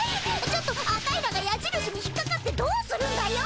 ちょっとアタイらがやじるしに引っかかってどうするんだよ。